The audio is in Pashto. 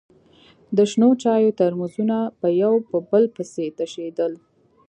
د شنو چايو ترموزونه به يو په بل پسې تشېدل.